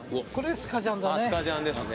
スカジャンですね。